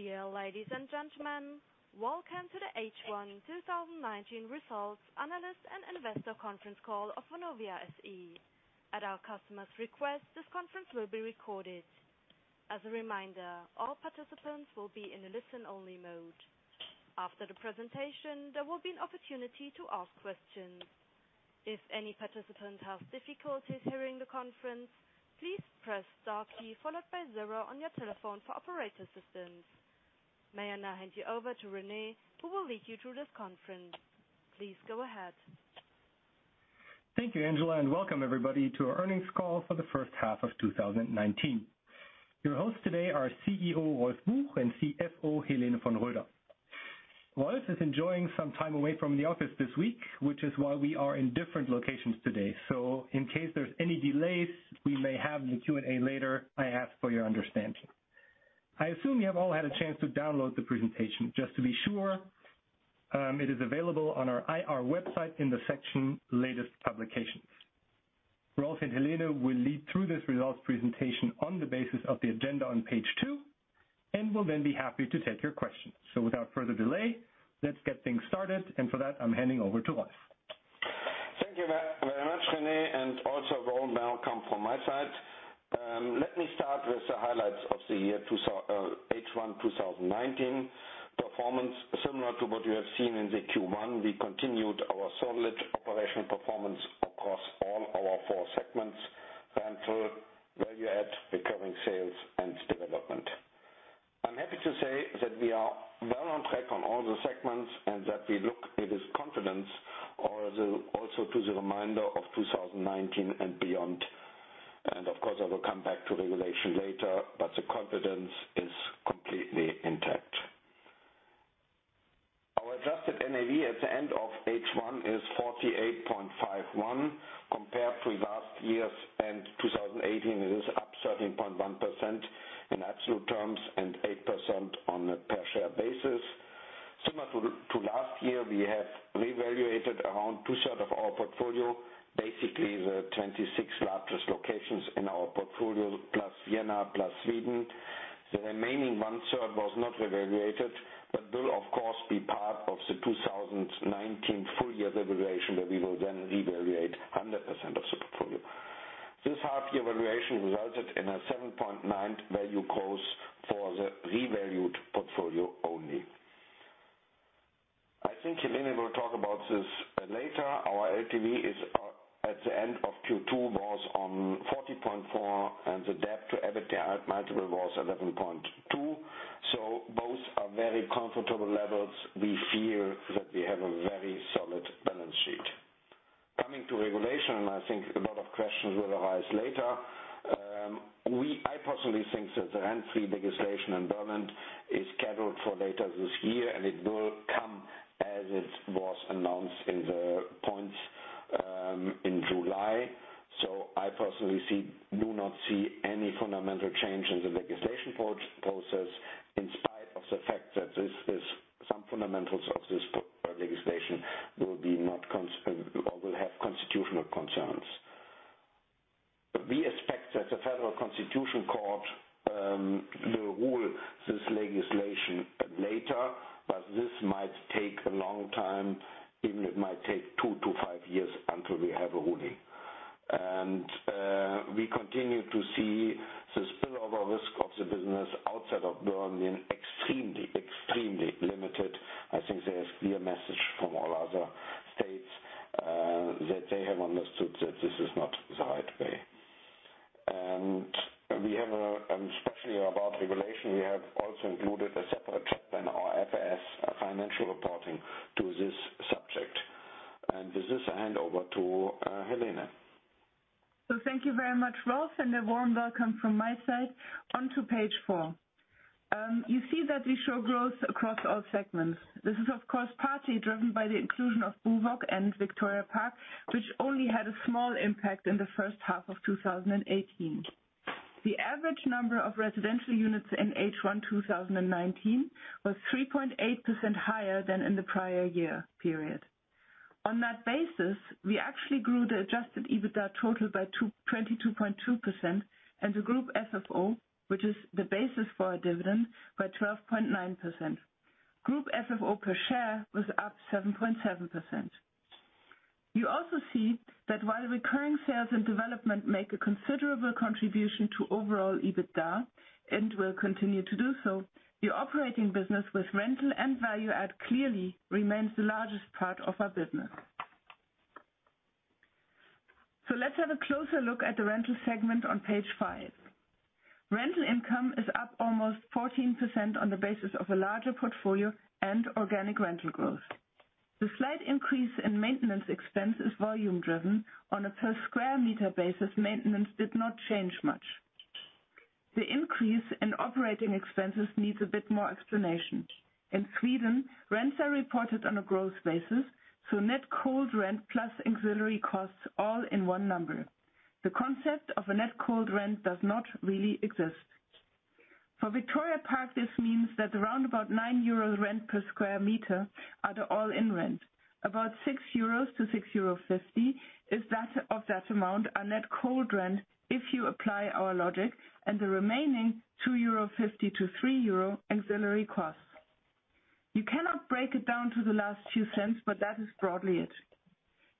Dear ladies and gentlemen, welcome to the H1 2019 Results Analyst and Investor Conference Call of Vonovia SE. At our customer's request, this conference will be recorded. As a reminder, all participants will be in a listen-only mode. After the presentation, there will be an opportunity to ask questions. If any participant has difficulties hearing the conference, please press star key followed by zero on your telephone for operator assistance. May I now hand you over to Rene, who will lead you through this conference. Please go ahead. Thank you, Angela, and welcome everybody to our earnings call for the first half of 2019. Your hosts today are CEO Rolf Buch and CFO Helene von Roeder. Rolf is enjoying some time away from the office this week, which is why we are in different locations today. In case there's any delays we may have in the Q&A later, I ask for your understanding. I assume you have all had a chance to download the presentation. Just to be sure, it is available on our IR website in the section Latest Publications. Rolf and Helene will lead through this results presentation on the basis of the agenda on page two, and will then be happy to take your questions. Without further delay, let's get things started, and for that, I'm handing over to Rolf. Thank you very much, Rene, and also a warm welcome from my side. Let me start with the highlights of the year H1 2019. Performance similar to what you have seen in the Q1. We continued our solid operational performance across all our four segments: Rental, Value Add, Recurring Sales, and Development. I'm happy to say that we are well on track on all the segments and that we look with confidence also to the remainder of 2019 and beyond. Of course, I will come back to regulation later, but the confidence is completely intact. Our adjusted NAV at the end of H1 is 48.51, compared to last year's end 2018, it is up 17.1% in absolute terms and 8% on a per share basis. Similar to last year, we have revaluated around two-third of our portfolio. Basically, the 26 largest locations in our portfolio, plus Vienna, plus Sweden. The remaining one-third was not revaluated, but will of course be part of the 2019 full year revaluation, where we will then revaluate 100% of the portfolio. This half year revaluation resulted in a 7.9 value growth for the revalued portfolio only. I think Helene will talk about this later. Our LTV at the end of Q2 was on 40.4 and the debt to EBITDA multiple was 11.2, so both are very comfortable levels. We feel that we have a very solid balance sheet. Coming to regulation, I think a lot of questions will arise later. I personally think that the rent freeze legislation in Berlin is scheduled for later this year, and it will come as it was announced in the points in July. I personally do not see any fundamental change in the legislation process in spite of the fact that some fundamentals of this legislation will have constitutional concerns. We expect that the Federal Constitutional Court will rule this legislation later, but this might take a long time, even it might take 2 to 5 years until we have a ruling. We continue to see the spillover risk of the business outside of Berlin extremely limited. I think there is clear message from all other states that they have understood that this is not the right way. Especially about regulation, we have also included a separate chapter in our FS financial reporting to this subject. With this, I hand over to Helene. Thank you very much, Rolf, and a warm welcome from my side. On to page four. You see that we show growth across all segments. This is of course partly driven by the inclusion of BUWOG and Victoria Park, which only had a small impact in the first half of 2018. The average number of residential units in H1 2019 was 3.8% higher than in the prior year period. On that basis, we actually grew the adjusted EBITDA total by 22.2% and the group FFO, which is the basis for our dividend, by 12.9%. Group FFO per share was up 7.7%. You also see that while recurring sales and development make a considerable contribution to overall EBITDA and will continue to do so, the operating business with rental and value add clearly remains the largest part of our business. Let's have a closer look at the rental segment on page five. Rental income is up almost 14% on the basis of a larger portfolio and organic rental growth. The slight increase in maintenance expense is volume driven. On a per square meter basis, maintenance did not change much. The increase in operating expenses needs a bit more explanation. In Sweden, rents are reported on a gross basis, so net cold rent plus auxiliary costs all in one number. The concept of a net cold rent does not really exist. For Victoria Park, this means that around about 9 euros rent per square meter are the all-in rent. About 6-6.50 euros of that amount are net cold rent if you apply our logic, and the remaining 2.50-3 euro auxiliary costs. You cannot break it down to the last few cents, but that is broadly it.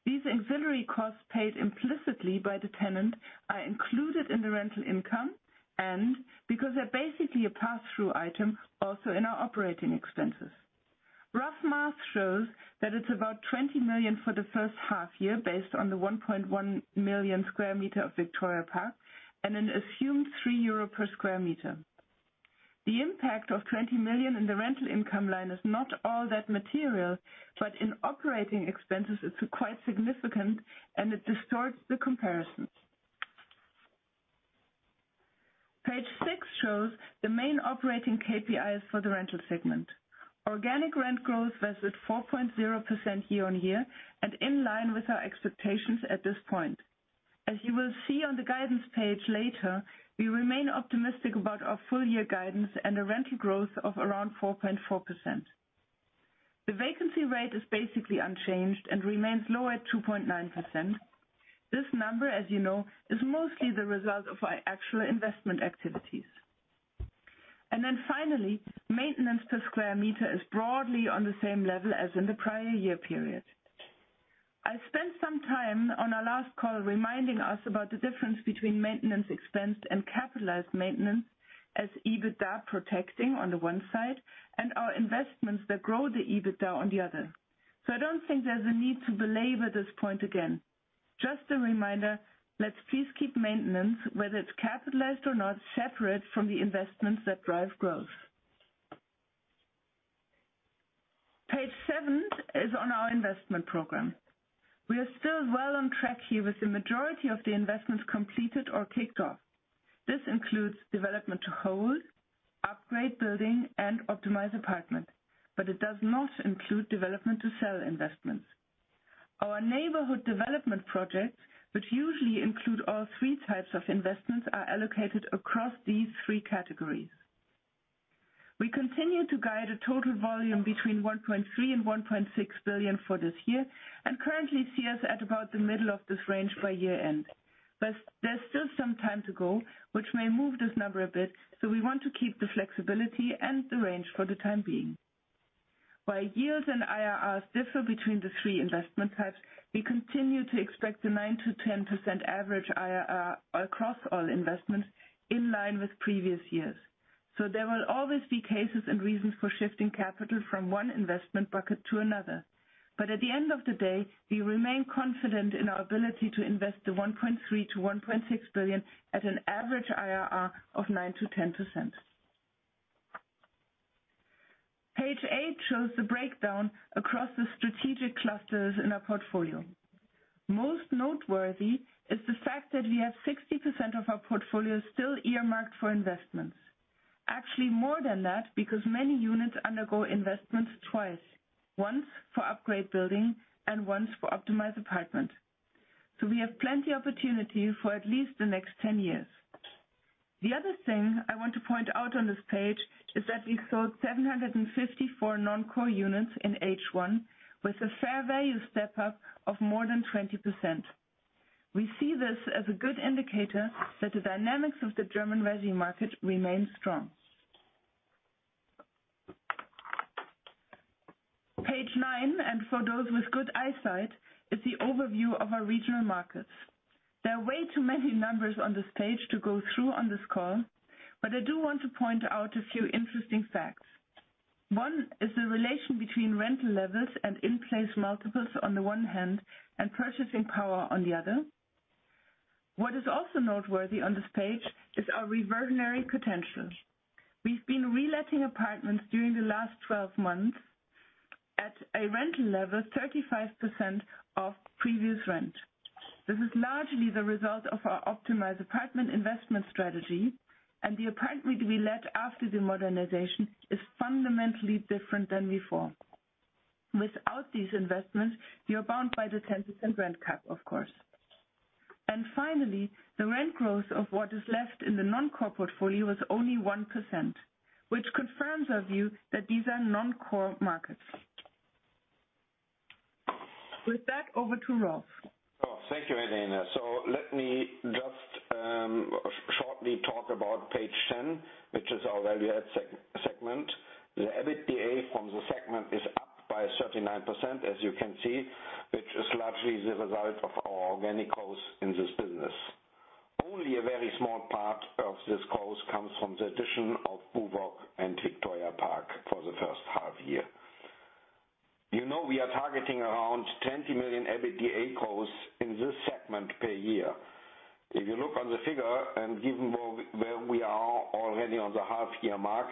These auxiliary costs paid implicitly by the tenant are included in the rental income, and because they're basically a pass-through item, also in our operating expenses. Rough math shows that it's about 20 million for the first half year based on the 1.1 million square meters of Victoria Park, and an assumed 3 euro per square meter. The impact of 20 million in the rental income line is not all that material, but in operating expenses, it's quite significant, and it distorts the comparisons. Page six shows the main operating KPIs for the rental segment. Organic rent growth was at 4.0% year-on-year and in line with our expectations at this point. As you will see on the guidance page later, we remain optimistic about our full year guidance and a rental growth of around 4.4%. The vacancy rate is basically unchanged and remains low at 2.9%. This number, as you know, is mostly the result of our actual investment activities. Then finally, maintenance per square meter is broadly on the same level as in the prior year period. I spent some time on our last call reminding us about the difference between maintenance expense and capitalized maintenance as EBITDA protecting on the one side and our investments that grow the EBITDA on the other. I don't think there's a need to belabor this point again. Just a reminder, let's please keep maintenance, whether it's capitalized or not, separate from the investments that drive growth. Page seven is on our investment program. We are still well on track here with the majority of the investments completed or kicked off. This includes development to hold, upgrade building, and optimize apartment, but it does not include development to sell investments. Our neighborhood development projects, which usually include all three types of investments, are allocated across these three categories. We continue to guide a total volume between €1.3 and €1.6 billion for this year, and currently see us at about the middle of this range by year end. There's still some time to go, which may move this number a bit, we want to keep the flexibility and the range for the time being. While yields and IRRs differ between the three investment types, we continue to expect a 9%-10% average IRR across all investments in line with previous years. There will always be cases and reasons for shifting capital from one investment bucket to another. At the end of the day, we remain confident in our ability to invest the €1.3 billion-€1.6 billion at an average IRR of 9%-10%. Page eight shows the breakdown across the strategic clusters in our portfolio. Most noteworthy is the fact that we have 60% of our portfolio still earmarked for investments. More than that, because many units undergo investments twice, once for upgrade building and once for optimize apartment. We have plenty opportunity for at least the next 10 years. The other thing I want to point out on this page is that we sold 754 non-core units in H1 with a fair value step-up of more than 20%. We see this as a good indicator that the dynamics of the German resi market remain strong. Page nine, for those with good eyesight, is the overview of our regional markets. There are way too many numbers on this page to go through on this call, I do want to point out a few interesting facts. One is the relation between rental levels and in-place multiples on the one hand, and purchasing power on the other. What is also noteworthy on this page is our reversionary potential. We've been reletting apartments during the last 12 months at a rental level 35% of previous rent. This is largely the result of our optimized apartment investment strategy. The apartment we let after the modernization is fundamentally different than before. Without these investments, we are bound by the 10% rent cap, of course. Finally, the rent growth of what is left in the non-core portfolio is only 1%, which confirms our view that these are non-core markets. With that, over to Rolf. Oh, thank you, Helene. Let me just shortly talk about page 10, which is our value add segment. The EBITDA from the segment is up by 39%, as you can see, which is largely the result of our organic growth in this business. Only a very small part of this cost comes from the addition of BUWOG and Victoria Park for the first half year. You know we are targeting around 20 million EBITDA cost in this segment per year. If you look on the figure, and given where we are already on the half year mark,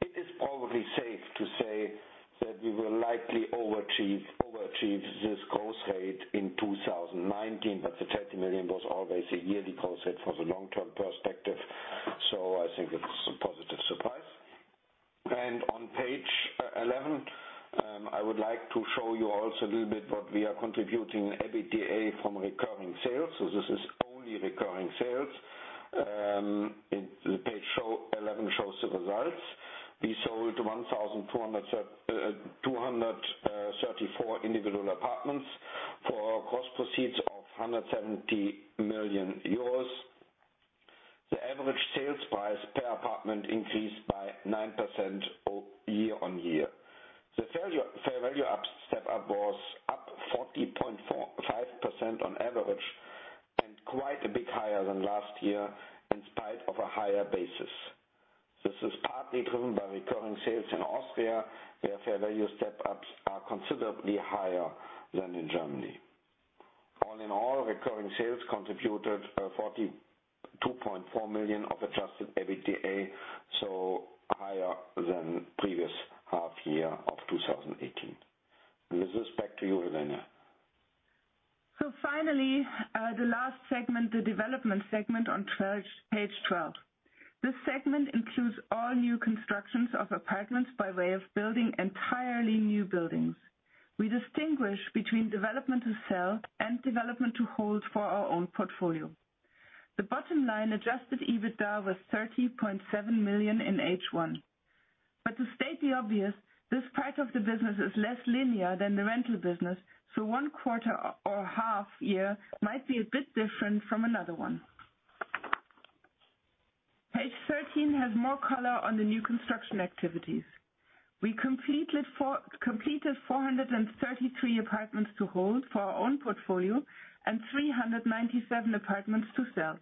it is probably safe to say that we will likely overachieve this growth rate in 2019, but the 30 million was always a yearly concept for the long-term perspective. I think it's a positive surprise. On page 11, I would like to show you also a little bit what we are contributing EBITDA from recurring sales. This is only recurring sales. Page 11 shows the results. We sold 1,234 individual apartments for gross proceeds of 170 million euros. The average sales price per apartment increased by 9% year-on-year. The fair value step-up was up 40.5% on average and quite a bit higher than last year in spite of a higher basis. This is partly driven by recurring sales in Austria, where fair value step-ups are considerably higher than in Germany. All in all, recurring sales contributed 42.4 million of adjusted EBITDA, so higher than previous half year of 2018. With this, back to you, Helene. Finally, the last segment, the development segment on page 12. This segment includes all new constructions of apartments by way of building entirely new buildings. We distinguish between development to sell and development to hold for our own portfolio. The bottom line adjusted EBITDA was 30.7 million in H1. To state the obvious, this part of the business is less linear than the rental business, so one quarter or half year might be a bit different from another one. Page 13 has more color on the new construction activities. We completed 433 apartments to hold for our own portfolio and 397 apartments to sell.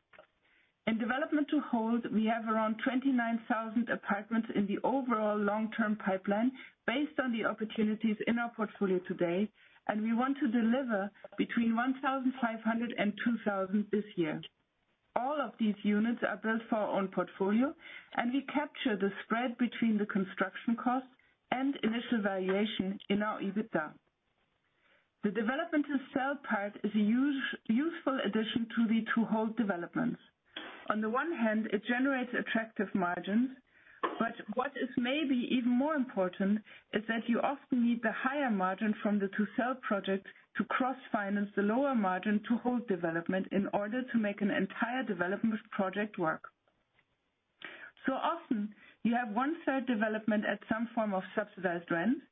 In development to hold, we have around 29,000 apartments in the overall long-term pipeline based on the opportunities in our portfolio today, and we want to deliver between 1,500 and 2,000 this year. All of these units are built for our own portfolio, and we capture the spread between the construction cost and initial valuation in our EBITDA. The development to sell part is a useful addition to the development to hold developments. On the one hand, it generates attractive margins, but what is maybe even more important is that you often need the higher margin from the to sell project to cross-finance the lower margin to hold development in order to make an entire development project work. Often you have one-third development at some form of subsidized rent,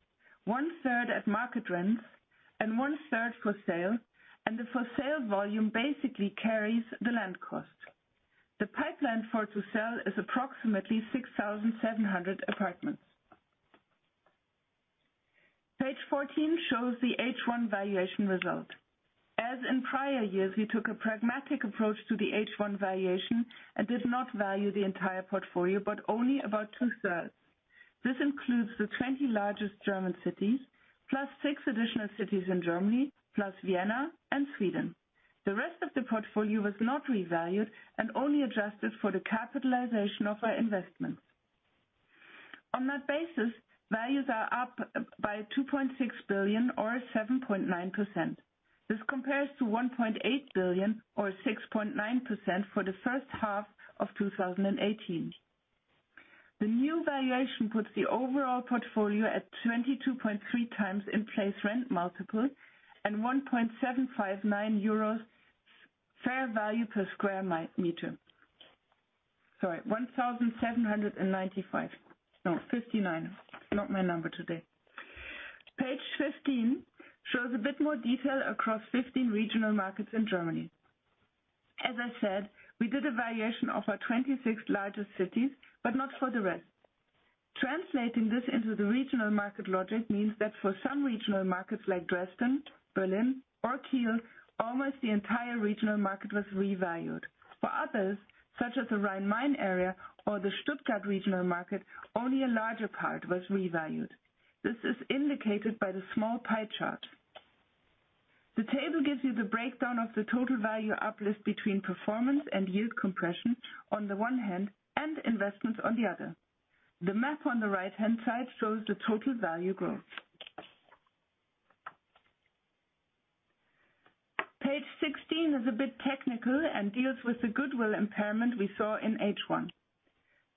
one-third at market rents, and one-third for sale, and the for sale volume basically carries the land cost. The pipeline for to sell is approximately 6,700 apartments. Page 14 shows the H1 valuation result. As in prior years, we took a pragmatic approach to the H1 valuation and did not value the entire portfolio, but only about two-thirds. This includes the 20 largest German cities, plus six additional cities in Germany, plus Vienna and Sweden. The rest of the portfolio was not revalued and only adjusted for the capitalization of our investments. On that basis, values are up by 2.6 billion or 7.9%. This compares to 1.8 billion or 6.9% for the first half of 2018. The new valuation puts the overall portfolio at 22.3 times in place rent multiple and 1,759 euros fair value per square meter. Sorry, 1,795. No, 59. Not my number today. Page 15 shows a bit more detail across 15 regional markets in Germany. As I said, we did a valuation of our 26 largest cities, but not for the rest. Translating this into the regional market logic means that for some regional markets like Dresden, Berlin, or Kiel, almost the entire regional market was revalued. For others, such as the Rhine-Main area or the Stuttgart regional market, only a larger part was revalued. This is indicated by the small pie chart. The table gives you the breakdown of the total value uplift between performance and yield compression on the one hand, and investments on the other. The map on the right-hand side shows the total value growth. Page 16 is a bit technical and deals with the goodwill impairment we saw in H1.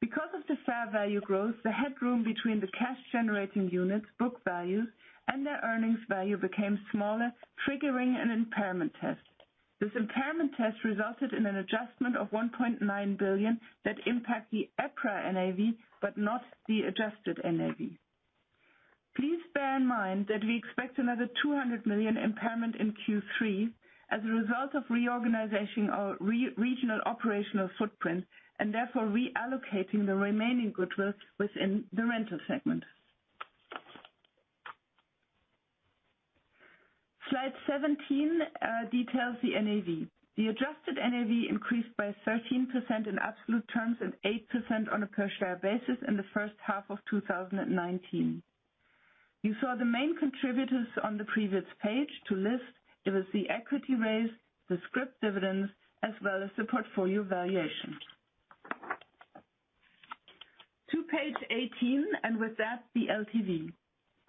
Because of the fair value growth, the headroom between the cash-generating units' book value and their earnings value became smaller, triggering an impairment test. This impairment test resulted in an adjustment of 1.9 billion that impact the EPRA NAV but not the adjusted NAV. Please bear in mind that we expect another 200 million impairment in Q3 as a result of reorganization of regional operational footprint and therefore reallocating the remaining goodwill within the rental segment. Slide 17 details the NAV. The adjusted NAV increased by 13% in absolute terms and 8% on a per share basis in the first half of 2019. You saw the main contributors on the previous page. To list, it was the equity raise, the scrip dividends, as well as the portfolio valuation. To page 18, and with that, the LTV.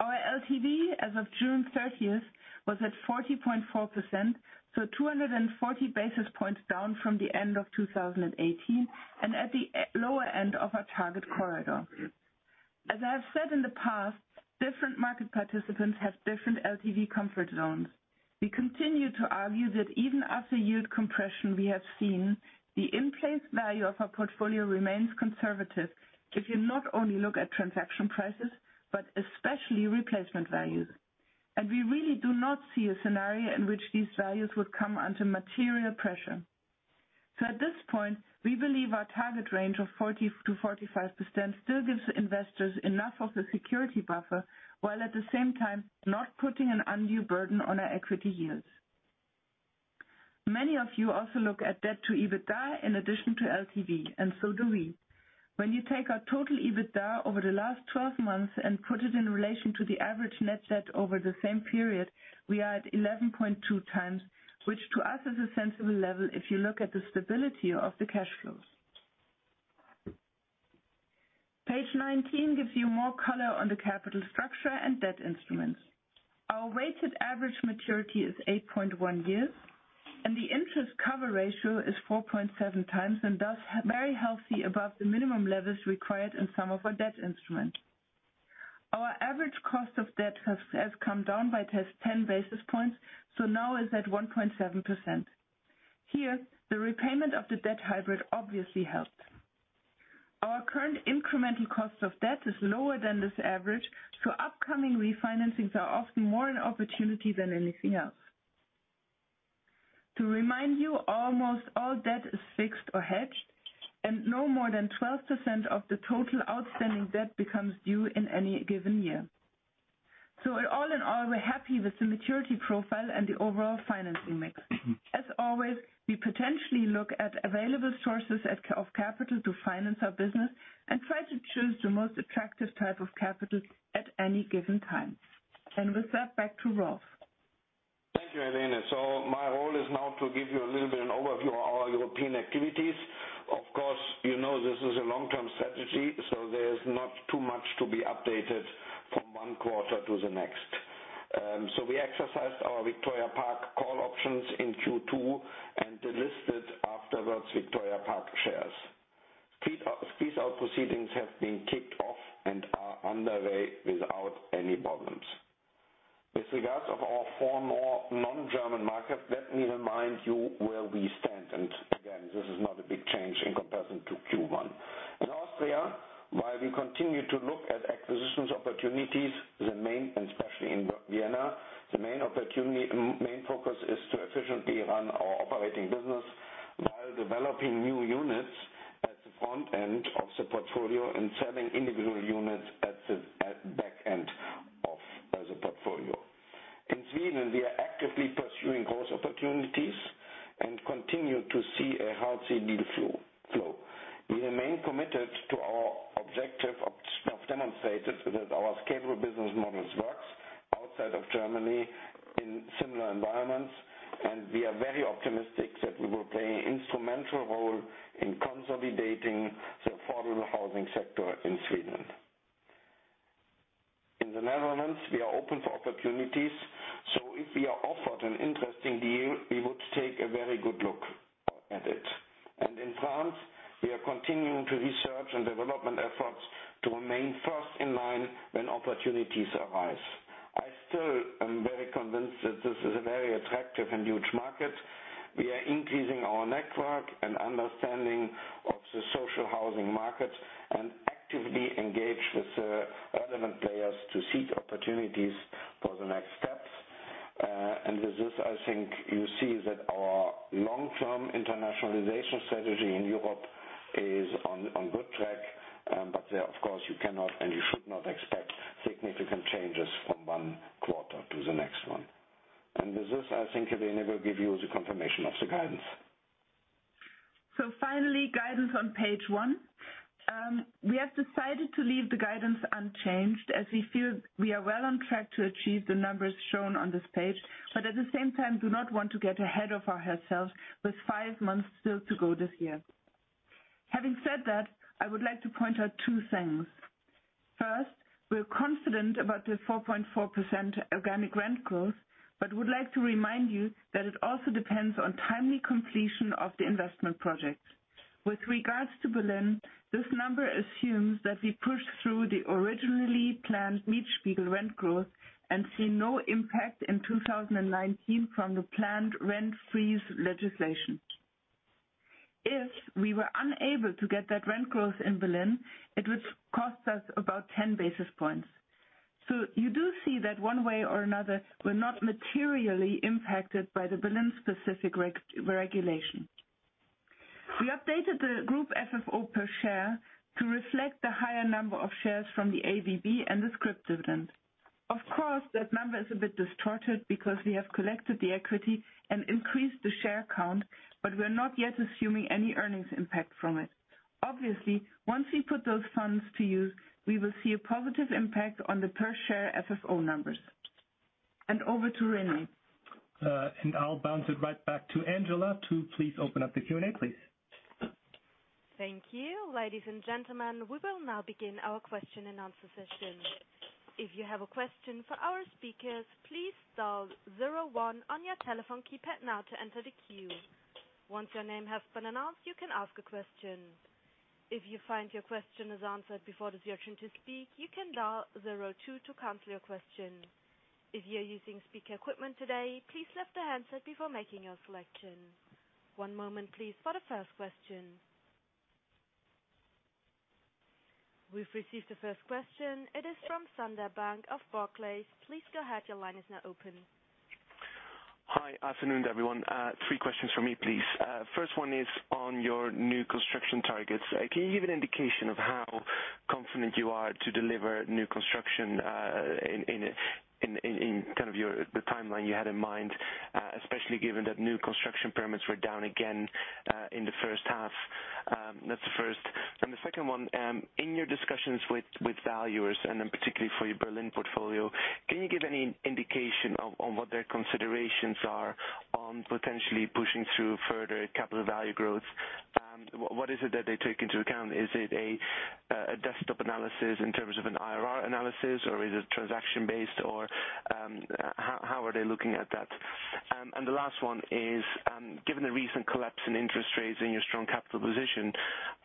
Our LTV as of June 30th was at 40.4%, so 240 basis points down from the end of 2018 and at the lower end of our target corridor. As I have said in the past, different market participants have different LTV comfort zones. We continue to argue that even after yield compression we have seen, the in-place value of our portfolio remains conservative if you not only look at transaction prices, but especially replacement values. We really do not see a scenario in which these values would come under material pressure. At this point, we believe our target range of 40%-45% still gives investors enough of a security buffer, while at the same time not putting an undue burden on our equity yields. Many of you also look at debt to EBITDA in addition to LTV, and so do we. When you take our total EBITDA over the last 12 months and put it in relation to the average net debt over the same period, we are at 11.2 times, which to us is a sensible level if you look at the stability of the cash flows. Page 19 gives you more color on the capital structure and debt instruments. Our weighted average maturity is 8.1 years, Thus very healthy above the minimum levels required in some of our debt instruments. Our average cost of debt has come down by 10 basis points, Now is at 1.7%. Here, the repayment of the debt hybrid obviously helped. Our current incremental cost of debt is lower than this average, Upcoming refinancings are often more an opportunity than anything else. To remind you, almost all debt is fixed or hedged, and no more than 12% of the total outstanding debt becomes due in any given year. All in all, we're happy with the maturity profile and the overall financing mix. As always, we potentially look at available sources of capital to finance our business and try to choose the most attractive type of capital at any given time. With that, back to Rolf. Thank you, Helene. My role is now to give you a little bit of an overview of our European activities. Of course, you know this is a long-term strategy, there's not too much to be updated from one quarter to the next. We exercised our Victoria Park call options in Q2 and delisted afterwards Victoria Park shares. Squeeze out proceedings have been kicked off and are underway without any problems. With regards of our four more non-German markets, let me remind you where we stand. Again, this is not a big change in comparison to Q1. In Austria, while we continue to look at acquisitions opportunities, especially in Vienna, the main focus is to efficiently run our operating business while developing new units at the front end of the portfolio and selling individual units at back end of the portfolio. In Sweden, we are actively pursuing growth opportunities and continue to see a healthy deal flow. We remain committed to our objective of demonstrating that our scalable business models works outside of Germany in similar environments, and we are very optimistic that we will play an instrumental role in consolidating the formal housing sector in Sweden. In the Netherlands, we are open for opportunities, so if we are offered an interesting deal, we would take a very good look at it. In France, we are continuing to research and development efforts to remain first in line when opportunities arise. I still am very convinced that this is a very attractive and huge market. We are increasing our network and understanding of the social housing market and actively engage with the relevant players to seek opportunities for the next steps. With this, I think you see that our long-term internationalization strategy in Europe is on good track. There, of course, you cannot and you should not expect significant changes from one quarter to the next one. With this, I think Helene will give you the confirmation of the guidance. Finally, guidance on page one. We have decided to leave the guidance unchanged as we feel we are well on track to achieve the numbers shown on this page, but at the same time do not want to get ahead of ourselves with five months still to go this year. Having said that, I would like to point out two things. First, we're confident about the 4.4% organic rent growth, but would like to remind you that it also depends on timely completion of the investment projects. With regards to Berlin, this number assumes that we push through the originally planned Mietspiegel rent growth and see no impact in 2019 from the planned rent freeze legislation. If we were unable to get that rent growth in Berlin, it would cost us about 10 basis points. You do see that one way or another, we're not materially impacted by the Berlin specific regulation. We updated the group FFO per share to reflect the higher number of shares from the AVB and the scrip dividend. Of course, that number is a bit distorted because we have collected the equity and increased the share count, but we're not yet assuming any earnings impact from it. Obviously, once we put those funds to use, we will see a positive impact on the per share FFO numbers. Over to Rene. I'll bounce it right back to Angela to please open up the Q&A, please. Thank you. Ladies and gentlemen, we will now begin our question and answer session. If you have a question for our speakers, please dial 01 on your telephone keypad now to enter the queue. Once your name has been announced, you can ask a question. If you find your question is answered before it is your turn to speak, you can dial 02 to cancel your question. If you are using speaker equipment today, please lift the handset before making your selection. One moment please for the first question. We've received the first question. It is from Sander Bunck of Barclays. Please go ahead. Your line is now open. Hi. Afternoon, everyone. Three questions from me, please. First one is on your new construction targets. Can you give an indication of how confident you are to deliver new construction in the timeline you had in mind, especially given that new construction permits were down again in the first half? That's the first. The second one, in your discussions with valuers, and then particularly for your Berlin portfolio, can you give any indication on what their considerations are on potentially pushing through further capital value growth? What is it that they take into account? Is it a desktop analysis in terms of an IRR analysis, or is it transaction based, or how are they looking at that? The last one is given the recent collapse in interest rates and your strong capital position,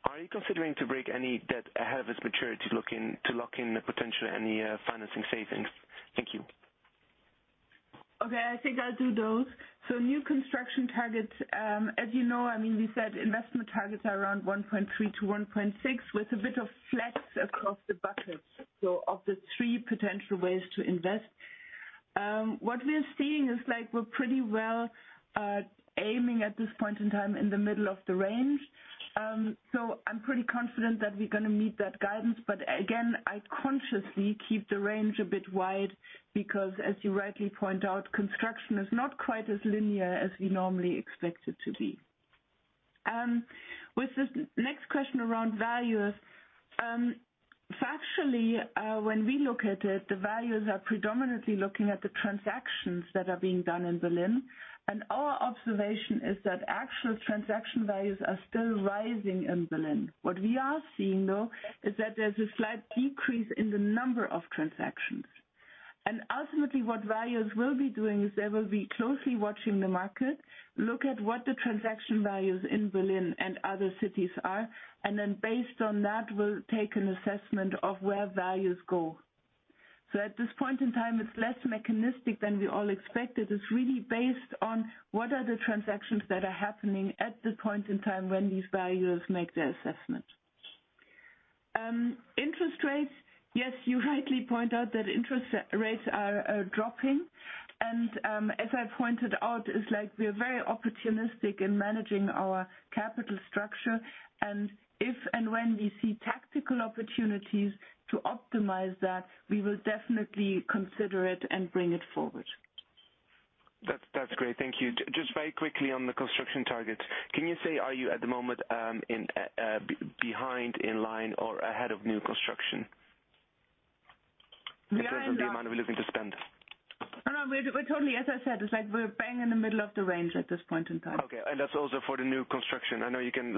are you considering to break any debt ahead of its maturity to lock in potentially any financing savings? Thank you. Okay, I think I'll do those. New construction targets. As you know, we said investment targets are around 1.3 to 1.6, with a bit of flex across the buckets. Of the three potential ways to invest, what we're seeing is we're pretty well aiming at this point in time in the middle of the range. I'm pretty confident that we're going to meet that guidance. Again, I consciously keep the range a bit wide because, as you rightly point out, construction is not quite as linear as we normally expect it to be. With this next question around valuers. Factually, when we look at it, the values are predominantly looking at the transactions that are being done in Berlin, and our observation is that actual transaction values are still rising in Berlin. What we are seeing, though, is that there's a slight decrease in the number of transactions. Ultimately what valuers will be doing is they will be closely watching the market, look at what the transaction values in Berlin and other cities are, then based on that, we'll take an assessment of where values go. At this point in time, it's less mechanistic than we all expected. It's really based on what are the transactions that are happening at the point in time when these values make their assessment. Interest rates. Yes, you rightly point out that interest rates are dropping. As I pointed out, it's like we are very opportunistic in managing our capital structure, and if and when we see tactical opportunities to optimize that, we will definitely consider it and bring it forward. That's great. Thank you. Just very quickly on the construction targets, can you say, are you at the moment behind, in line or ahead of new construction? We are in the- In terms of the amount we're looking to spend. No, we're totally, as I said, it's like we're bang in the middle of the range at this point in time. Okay. That's also for the new construction. I know you can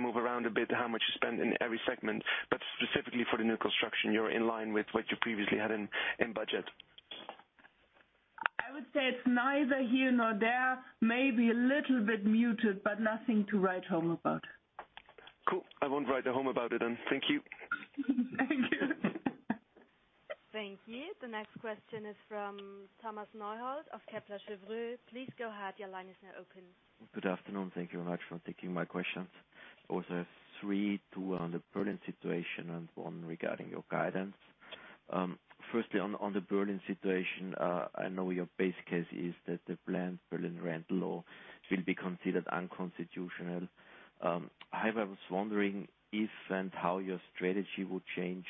move around a bit how much you spend in every segment, but specifically for the new construction, you're in line with what you previously had in budget. I would say it's neither here nor there. Maybe a little bit muted, but nothing to write home about. Cool. I won't write home about it then. Thank you. Thank you. Thank you. The next question is from Thomas Neuhold of Kepler Cheuvreux. Please go ahead. Your line is now open. Good afternoon. Thank you very much for taking my questions. I also have three, two on the Berlin situation and one regarding your guidance. Firstly, on the Berlin situation, I know your base case is that the planned Berlin rent law will be considered unconstitutional. However, I was wondering if and how your strategy would change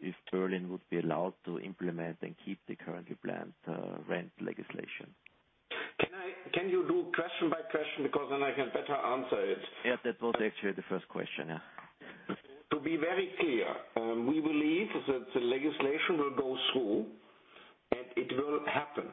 if Berlin would be allowed to implement and keep the currently planned rent legislation. Can you do question by question? Because then I can better answer it. Yes. That was actually the first question, yeah. To be very clear, we believe that the legislation will go through, and it will happen.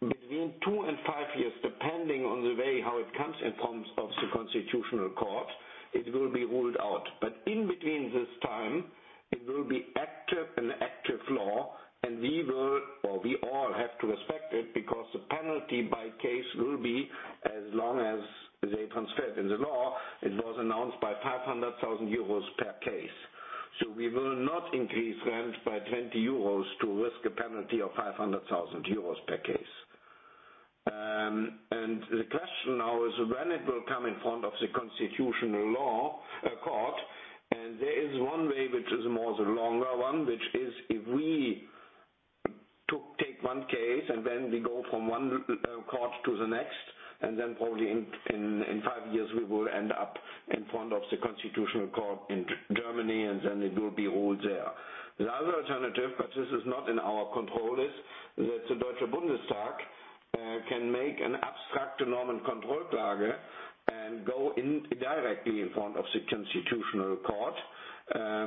Between two and five years, depending on the way how it comes in terms of the Constitutional Court, it will be ruled out. In between this time, it will be active, an active law, and we will, or we all have to respect it, because the penalty by case will be, as long as they transferred in the law, it was announced by 500,000 euros per case. We will not increase rent by 20 euros to risk a penalty of 500,000 euros per case. The question now is when it will come in front of the Constitutional Court, there is one way which is more the longer one, which is if we take one case, then we go from one court to the next, then probably in five years we will end up in front of the Constitutional Court in Germany, then it will be ruled there. The other alternative, but this is not in our control, is that the German Bundestag can make an Abstrakte Normenkontrolle and go directly in front of the Constitutional Court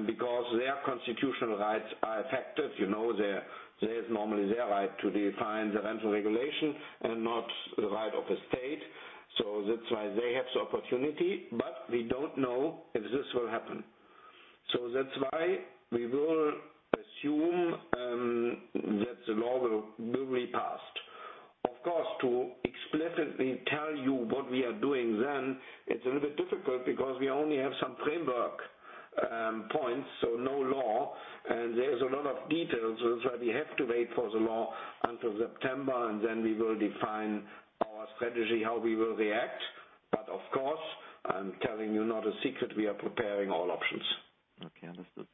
because their constitutional rights are affected. There is normally their right to define the rental regulation and not the right of a state. That's why they have the opportunity, but we don't know if this will happen. That's why we will assume that the law will be passed. To explicitly tell you what we are doing then, it's a little bit difficult because we only have some framework points, so no law, and there is a lot of details. That's why we have to wait for the law until September, and then we will define our strategy, how we will react. Of course, I'm telling you not a secret, we are preparing all options. Okay, understood.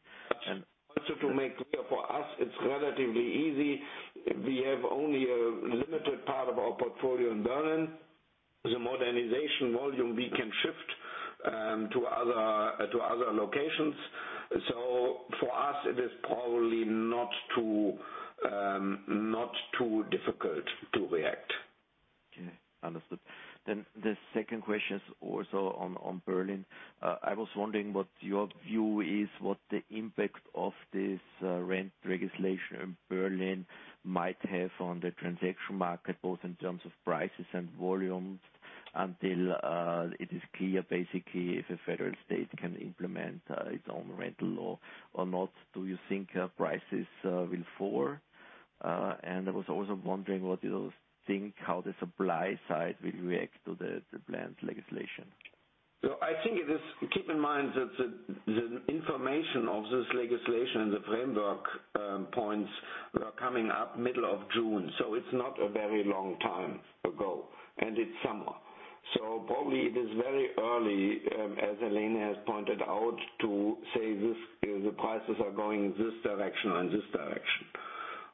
To make clear, for us, it's relatively easy. We have only a limited part of our portfolio in Berlin. The modernization volume we can shift to other locations. For us, it is probably not too difficult to react. Okay. Understood. The second question is also on Berlin. I was wondering what your view is, what the impact of this rent regulation in Berlin might have on the transaction market, both in terms of prices and volumes, until it is clear, basically, if a federal state can implement its own rental law or not. Do you think prices will fall? I was also wondering what you think how the supply side will react to the planned legislation. Keep in mind that the information of this legislation and the framework points were coming up middle of June. It's not a very long time ago, and it's summer. Probably it is very early, as Helene has pointed out, to say the prices are going in this direction or in this direction.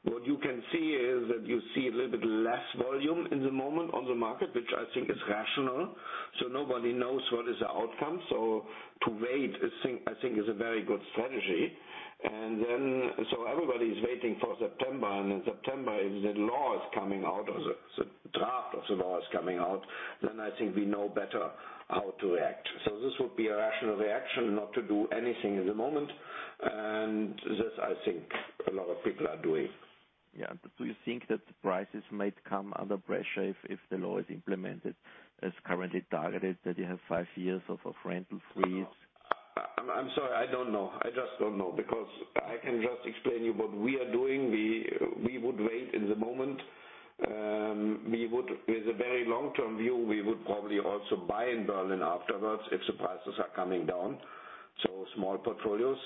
What you can see is that you see a little bit less volume in the moment on the market, which I think is rational. Nobody knows what is the outcome. To wait, I think, is a very good strategy. Everybody's waiting for September, and in September, if the law is coming out or the draft of the law is coming out, then I think we know better how to react. This would be a rational reaction, not to do anything at the moment. This, I think, a lot of people are doing. Yeah. Do you think that the prices might come under pressure if the law is implemented as currently targeted, that you have five years of a rental freeze? I'm sorry. I don't know. I just don't know, because I can just explain to you what we are doing. We would wait in the moment. With a very long-term view, we would probably also buy in Berlin afterwards if the prices are coming down. Small portfolios.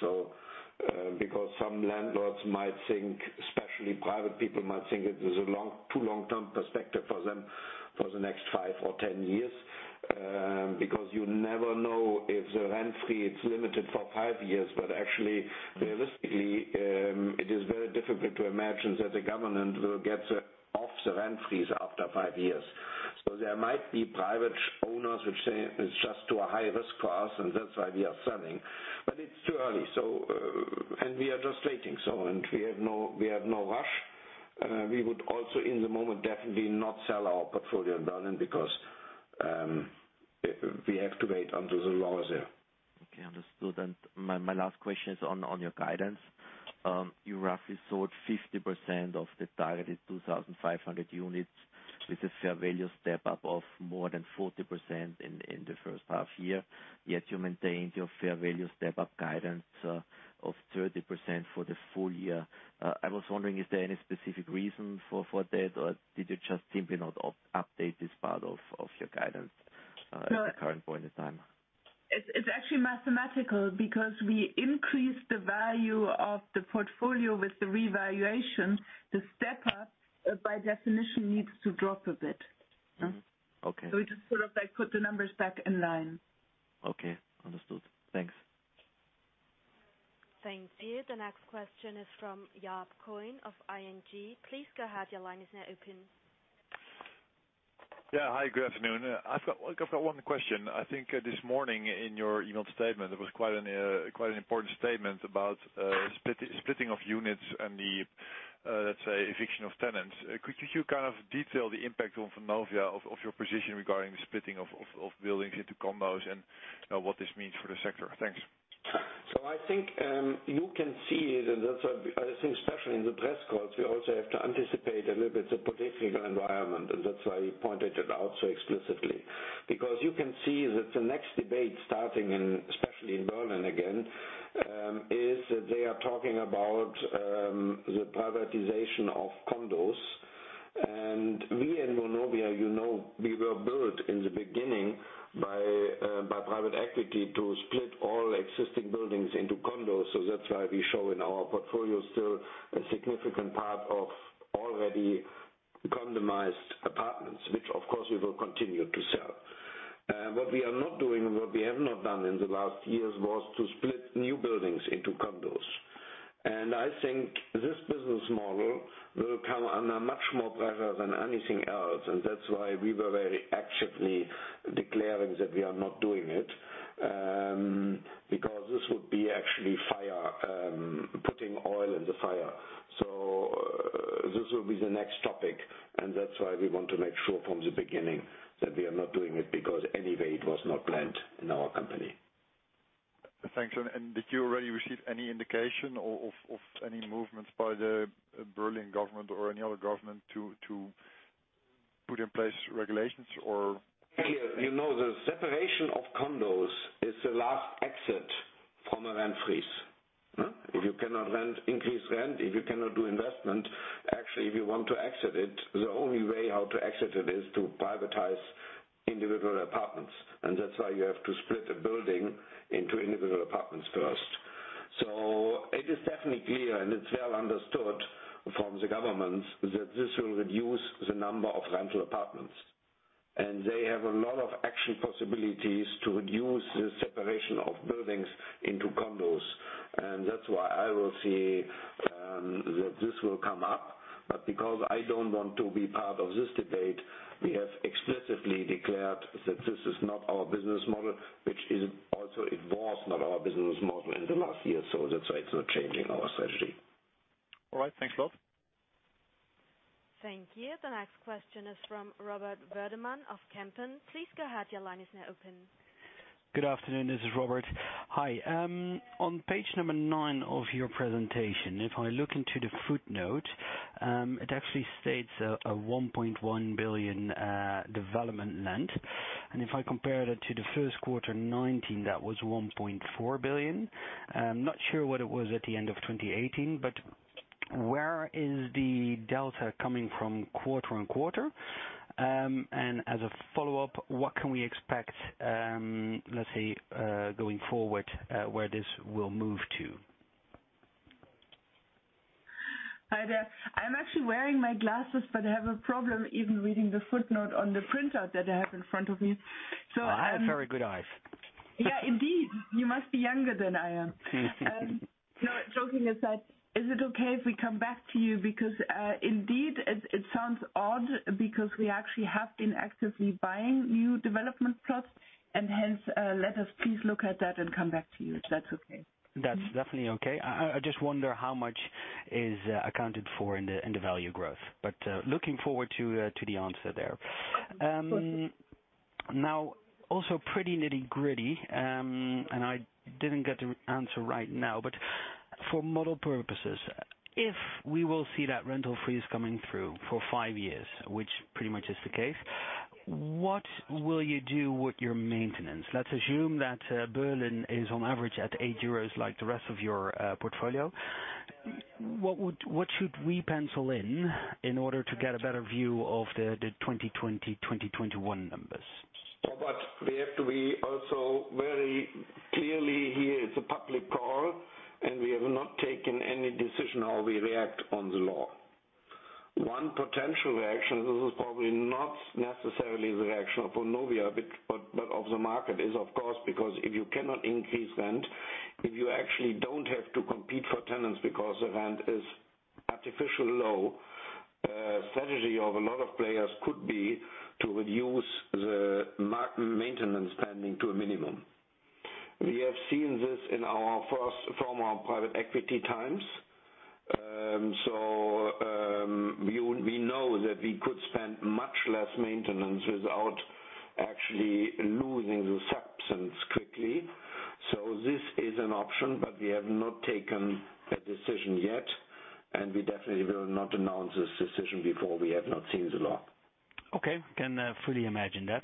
Because some landlords might think, especially private people might think it is a too long-term perspective for them for the next five or 10 years, because you never know if the rent freeze is limited for five years. Actually, realistically, it is very difficult to imagine that the government will get off the rent freeze after five years. There might be private owners who say, "It's just too high risk for us, and that's why we are selling." It's too early, and we are just waiting. We have no rush. We would also, in the moment, definitely not sell our portfolio in Berlin because we have to wait until the law is there. Okay, understood. My last question is on your guidance. You roughly sold 50% of the targeted 2,500 units with a fair value step-up of more than 40% in the first half year. You maintained your fair value step-up guidance of 30% for the full year. I was wondering, is there any specific reason for that, or did you just simply not update this part of your guidance at the current point in time? It's actually mathematical because we increased the value of the portfolio with the revaluation. The step-up, by definition, needs to drop a bit. Okay. We just sort of put the numbers back in line. Okay. Understood. Thanks. Thank you. The next question is from Jaap Kooij of ING. Please go ahead. Your line is now open. Yeah. Hi, good afternoon. I've got one question. I think this morning in your email statement, there was quite an important statement about splitting of units and the, let's say, eviction of tenants. Could you kind of detail the impact on Vonovia of your position regarding the splitting of buildings into combos and what this means for the sector? Thanks. I think you can see that, especially in the press calls, we also have to anticipate a little bit the political environment, and that's why I pointed it out so explicitly. You can see that the next debate starting especially in Berlin again, is that they are talking about the privatization of condos. We in Vonovia, you know, we were built in the beginning by private equity to split all existing buildings into condos. That's why we show in our portfolio still a significant part of already condominiumized apartments, which, of course, we will continue to sell. What we are not doing and what we have not done in the last years was to split new buildings into condos. I think this business model will come under much more pressure than anything else, and that is why we were very actively declaring that we are not doing it, because this would be actually putting oil in the fire. This will be the next topic, and that is why we want to make sure from the beginning that we are not doing it, because anyway, it was not planned in our company. Thanks. Did you already receive any indication of any movements by the Berlin government or any other government to put in place regulations or- You know, the separation of condos is the last exit from a rent freeze. If you cannot increase rent, if you cannot do investment, actually if you want to exit it, the only way how to exit it is to privatize individual apartments. That's why you have to split the building into individual apartments first. It is definitely clear, and it's well understood from the government, that this will reduce the number of rental apartments. They have a lot of action possibilities to reduce the separation of buildings into condos. That's why I will see that this will come up. Because I don't want to be part of this debate, we have explicitly declared that this is not our business model, which it was not our business model in the last years. That's why it's not changing our strategy. All right. Thanks a lot. Thank you. The next question is from Robert Werdemann of Kempen. Please go ahead. Your line is now open. Good afternoon. This is Robert. Hi. On page number nine of your presentation, if I look into the footnote, it actually states a 1.1 billion development lent. If I compare that to the first quarter 2019, that was 1.4 billion. I'm not sure what it was at the end of 2018, where is the delta coming from quarter on quarter? As a follow-up, what can we expect, let's say, going forward, where this will move to? Hi there. I'm actually wearing my glasses, but I have a problem even reading the footnote on the printout that I have in front of me. I have very good eyes. Yeah, indeed. You must be younger than I am. Joking aside, is it okay if we come back to you? Indeed, it sounds odd because we actually have been actively buying new development plots. Hence, let us please look at that and come back to you, if that's okay. That's definitely okay. I just wonder how much is accounted for in the value growth. Looking forward to the answer there. Of course. Now, also pretty nitty-gritty, and I didn't get the answer right now, but for model purposes, if we will see that Rent freeze coming through for five years, which pretty much is the case, what will you do with your maintenance? Let's assume that Berlin is on average at 8 euros like the rest of your portfolio. What should we pencil in order to get a better view of the 2020, 2021 numbers? Robert, we have to be also very clearly here, it's a public call, and we have not taken any decision how we react on the law. One potential reaction, this is probably not necessarily the reaction of Vonovia, but of the market is, of course, because if you cannot increase rent, if you actually don't have to compete for tenants because the rent is artificially low, strategy of a lot of players could be to reduce the maintenance spending to a minimum. We have seen this from our private equity times. We know that we could spend much less maintenance without actually losing the substance quickly. This is an option, but we have not taken a decision yet, and we definitely will not announce this decision before we have not seen the law. Okay. Can fully imagine that.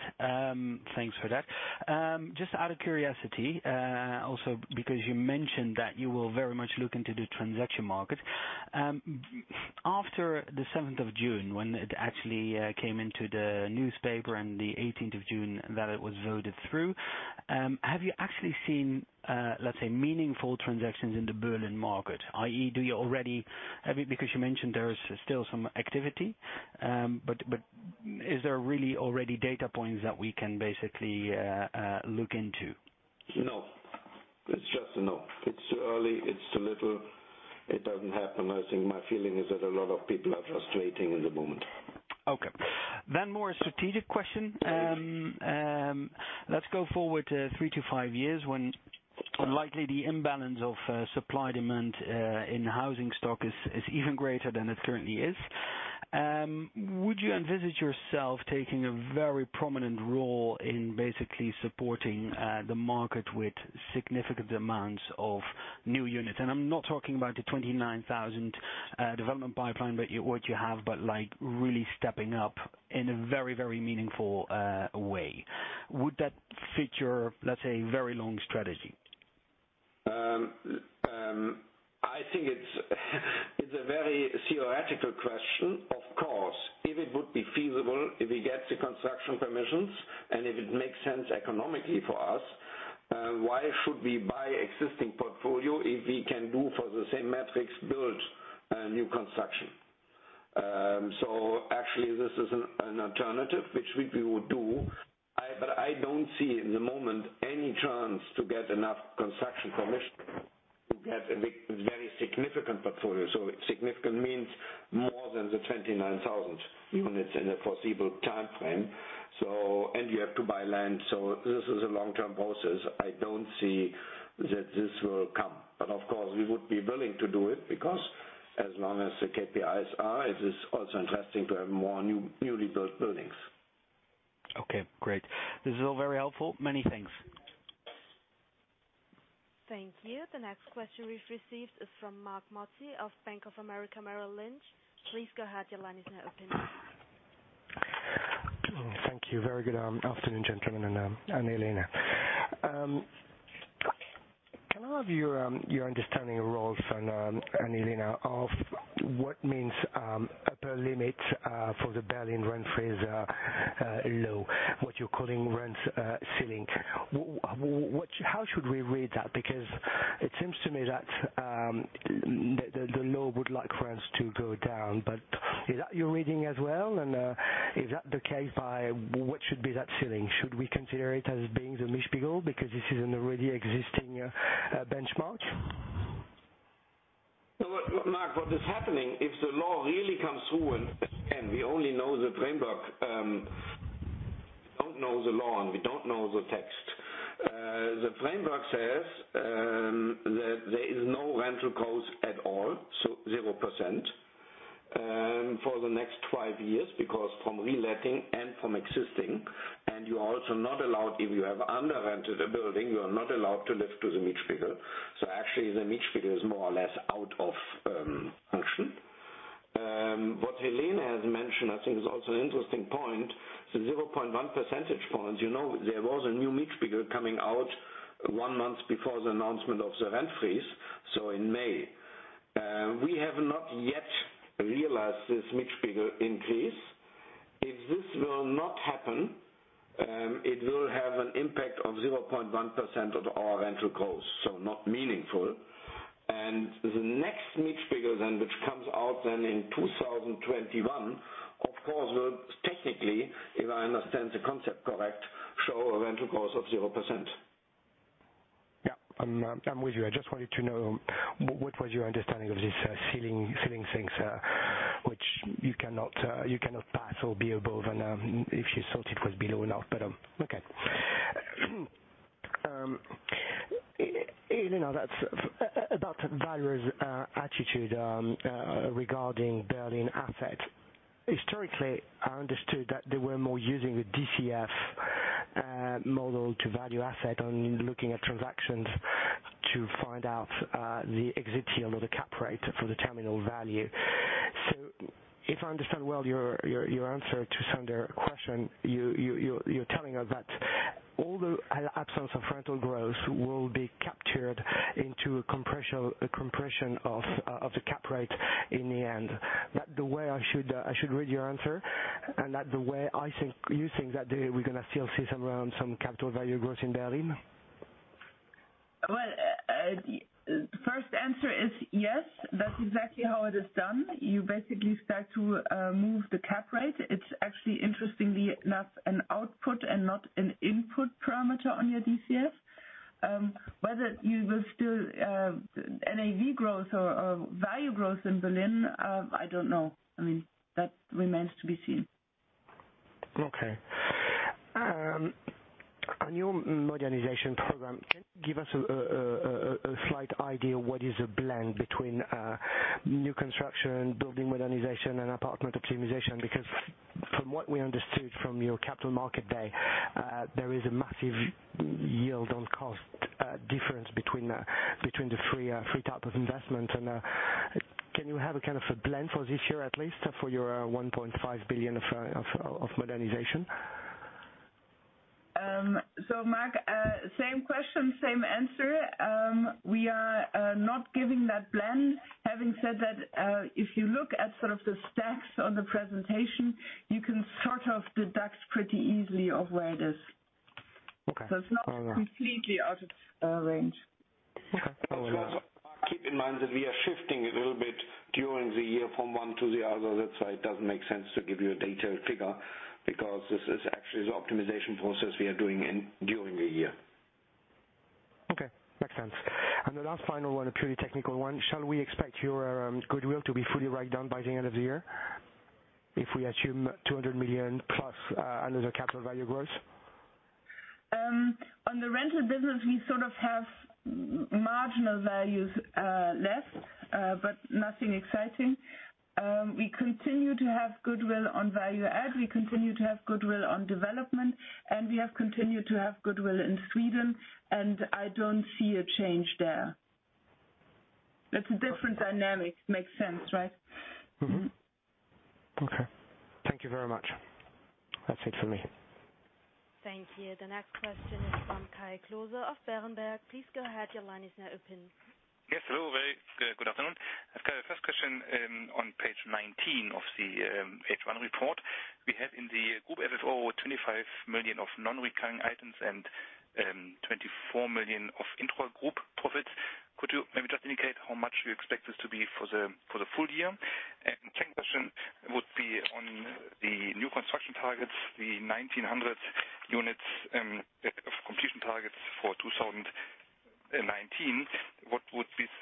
Thanks for that. Just out of curiosity, also because you mentioned that you will very much look into the transaction market. After the 7th of June when it actually came into the newspaper and the 18th of June that it was voted through, have you actually seen, let's say, meaningful transactions in the Berlin market, i.e., Because you mentioned there's still some activity. Is there really already data points that we can basically look into? No. It's just a no. It's too early, it's too little. It doesn't happen. I think my feeling is that a lot of people are frustrated at the moment. Okay. More a strategic question. Let's go forward three to five years when likely the imbalance of supply-demand in housing stock is even greater than it currently is. Would you envisage yourself taking a very prominent role in basically supporting the market with significant amounts of new units? I'm not talking about the 29,000 development pipeline, what you have, but like really stepping up in a very meaningful way. Would that feature, let's say, very long strategy? I think it's a very theoretical question. Of course, if it would be feasible, if we get the construction permissions, and if it makes sense economically for us, why should we buy existing portfolio if we can do for the same metrics, build a new construction? Actually this is an alternative, which we will do. I don't see at the moment any chance to get enough construction permission to get a very significant portfolio. Significant means more than the 29,000 units in a foreseeable timeframe. You have to buy land. This is a long-term process. I don't see that this will come. Of course, we would be willing to do it because as long as the KPIs are, it is also interesting to have more newly built buildings. Okay, great. This is all very helpful. Many thanks. Thank you. The next question we've received is from Marc Mozzi of Bank of America Merrill Lynch. Please go ahead, your line is now open. Thank you. Very good afternoon, gentlemen and Helene. Can I have your understanding, Rolf and Helene, of what means upper limit for the Berlin rent freeze law, what you're calling rent ceiling. How should we read that? It seems to me that the law would like rents to go down, but is that your reading as well, and if that the case, by what should be that rent ceiling? Should we consider it as being the Mietspiegel because this is an already existing benchmark? Marc, what is happening, if the law really comes through, and we only know the framework. We don't know the law, and we don't know the text. The framework says that there is no rental growth at all, so 0% for the next 12 years, because from reletting and from existing, and you are also not allowed, if you have under-rented a building, you are not allowed to lift to the Mietspiegel. Actually, the Mietspiegel is more or less out of function. What Helene has mentioned, I think is also an interesting point, the 0.1 percentage points. There was a new Mietspiegel coming out one month before the announcement of the rent freeze, so in May. We have not yet realized this Mietspiegel increase. If this will not happen, it will have an impact of 0.1% of our rental growth, so not meaningful. The next Mietspiegel then, which comes out then in 2021, of course, will technically, if I understand the concept correct, show a rental growth of 0%. I am with you. I just wanted to know what was your understanding of this rent ceiling, which you cannot pass or be above, and if you thought it was below enough. Helene, about Vonovia's attitude regarding Berlin assets. Historically, I understood that they were more using the DCF model to value assets, looking at transactions to find out the exit yield or the cap rate for the terminal value. If I understand well your answer to Sander's question, you are telling us that all the absence of rental growth will be captured into a compression of the cap rate in the end. Is that the way I should read your answer, and is that the way you think that we are going to still see some capital value growth in Berlin? Well, first answer is yes, that's exactly how it is done. You basically start to move the cap rate. It's actually interestingly enough, an output and not an input parameter on your DCF. Whether you will still NAV growth or value growth in Berlin, I don't know. That remains to be seen. Okay. On your modernization program, can you give us a slight idea what is a blend between new construction, building modernization, and apartment optimization? From what we understood from your capital market day, there is a massive yield on cost difference between the 3 type of investment. Can you have a kind of a blend for this year, at least for your 1.5 billion of modernization? Marc, same question, same answer. We are not giving that blend. Having said that, if you look at sort of the stacks on the presentation, you can sort of deduct pretty easily of where it is. Okay. All right. It's not completely out of range. Okay. All right. Marc, keep in mind that we are shifting a little bit during the year from one to the other. That's why it doesn't make sense to give you a detailed figure, because this is actually the optimization process we are doing during the year. Okay. Makes sense. The last final one, a purely technical one. Shall we expect your goodwill to be fully written down by the end of the year if we assume 200 million plus another capital value growth? On the rental business, we sort of have marginal values less, but nothing exciting. We continue to have goodwill on value add, we continue to have goodwill on development, and we have continued to have goodwill in Sweden, and I don't see a change there. That's a different dynamic. Makes sense, right? Mm-hmm. Okay. Thank you very much. That's it for me. Thank you. The next question is from Kai Klose of Berenberg. Please go ahead. Your line is now open. Yes. Hello. Good afternoon. I have got a first question on page 19 of the H1 report. We have in the group FFO 25 million of non-recurring items and 24 million of intra-group profits. Could you maybe just indicate how much you expect this to be for the full year? Second question would be on the new construction targets, the 1,900 units of completion targets for 2019. Sorry, 1,500 units-2,000 units. What would this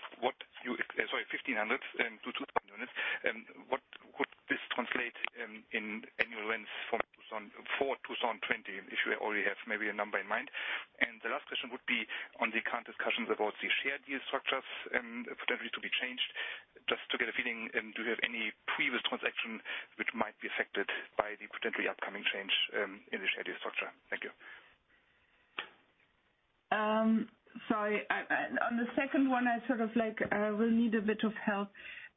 translate in annual rents for 2020, if you already have maybe a number in mind? The last question would be on the current discussions about the share deal structures potentially to be changed. Just to get a feeling, do you have any previous transaction which might be affected by the potentially upcoming change in the share deal structures? Sorry. On the second one, I will need a bit of help.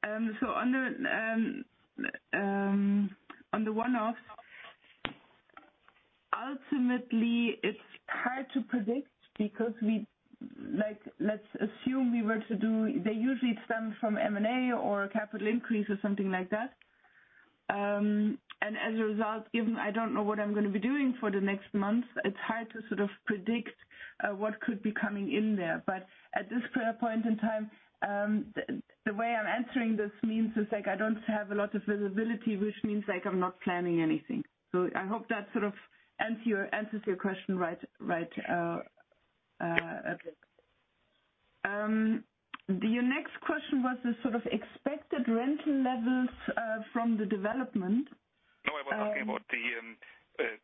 On the one-offs, ultimately, it's hard to predict because they usually stem from M&A or a capital increase or something like that. As a result, given I don't know what I'm going to be doing for the next month, it's hard to predict what could be coming in there. At this point in time, the way I'm answering this means is I don't have a lot of visibility, which means I'm not planning anything. I hope that answers your question right. Okay. Your next question was the expected rental levels from the development. I was asking about the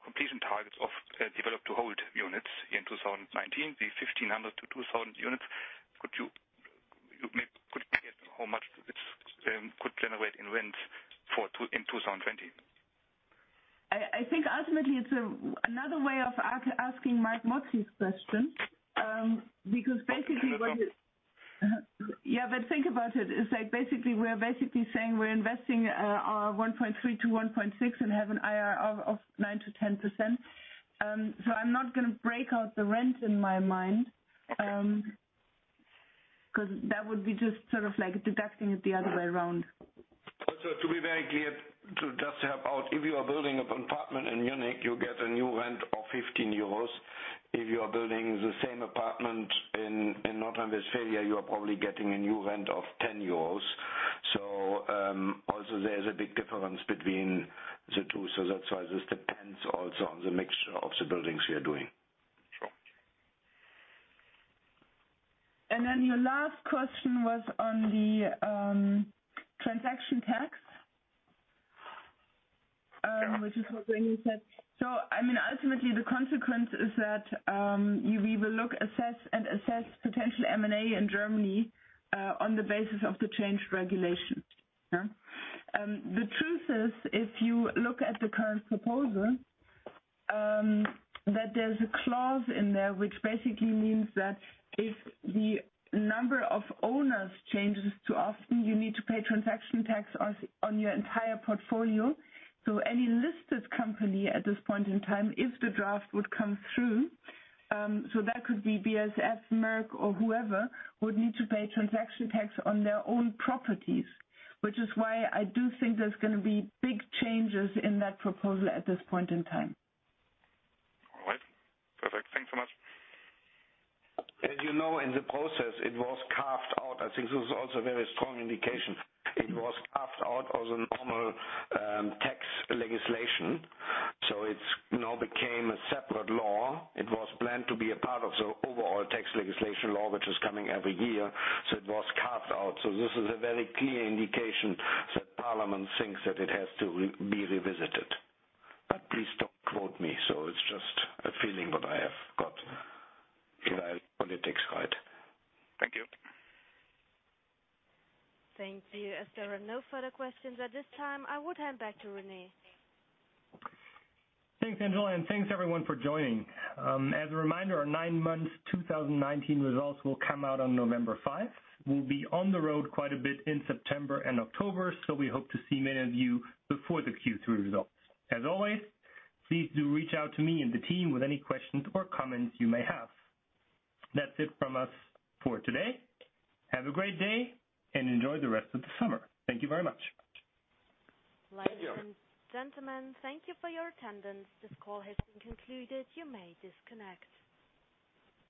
completion targets of develop-to-hold units in 2019, the 1,500 to 2,000 units. Could you maybe guess how much this could generate in rent in 2020? I think ultimately it's another way of asking Marc Mozzi's question. Basically, yeah, think about it. We're basically saying we're investing our 1.3 to 1.6 and have an IRR of 9%-10%. I'm not going to break out the rent in my mind, that would be just like deducting it the other way around. To be very clear, to just help out, if you are building an apartment in Munich, you get a new rent of 15 euros. If you are building the same apartment in North Rhine-Westphalia, you are probably getting a new rent of 10 euros. Also there is a big difference between the two. That's why this depends also on the mixture of the buildings we are doing. Sure. Your last question was on the transaction tax. Yeah. Which is what Rene said. Ultimately the consequence is that we will look and assess potential M&A in Germany on the basis of the changed regulations. The truth is, if you look at the current proposal, that there's a clause in there which basically means that if the number of owners changes too often, you need to pay transaction tax on your entire portfolio. Any listed company at this point in time, if the draft would come through, so that could be BASF, Merck, or whoever, would need to pay transaction tax on their own properties, which is why I do think there's going to be big changes in that proposal at this point in time. All right. Perfect. Thanks so much. As you know, in the process, it was carved out. I think this is also a very strong indication. It was carved out as a normal tax legislation. It now became a separate law. It was planned to be a part of the overall tax legislation law, which is coming every year. It was carved out. This is a very clear indication that Parliament thinks that it has to be revisited. But please don't quote me. It's just a feeling that I have got. You know how politics is, right? Thank you. Thank you. As there are no further questions at this time, I would hand back to Rene. Thanks, Angela, and thanks everyone for joining. As a reminder, our nine-month 2019 results will come out on November 5. We'll be on the road quite a bit in September and October, so we hope to see many of you before the Q3 results. As always, please do reach out to me and the team with any questions or comments you may have. That's it from us for today. Have a great day, and enjoy the rest of the summer. Thank you very much. Thank you. Ladies and gentlemen, thank you for your attendance. This call has been concluded. You may disconnect.